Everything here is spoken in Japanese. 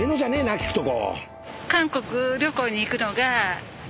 聞くとこ！